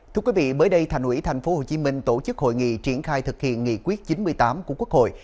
thưa quý vị mới đây thành ủy tp hcm tổ chức hội nghị triển khai thực hiện nghị quyết chín mươi tám của quốc hội